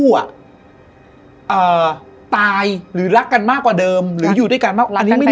อ่ะตายหรือรักกันมากกว่าเดิมหรืออยู่ด้วยกันมากกว่าอันนี้ไม่ได้